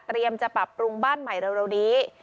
จะปรับปรุงบ้านใหม่เร็วนี้